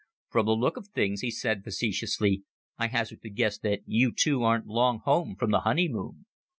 "From the look of things," he said facetiously, "I hazard the guess that you two aren't long home from the honeymoon."